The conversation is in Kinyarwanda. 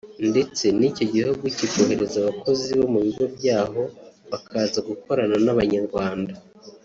ndetse n’icyo gihugu kikohereza abakozi bo mu bigo byaho bakaza gukorana n’Abanyarwanda